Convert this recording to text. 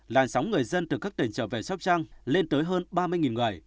làn sóng người dân từ các tỉnh trở về sóc trăng lên tới hơn ba mươi người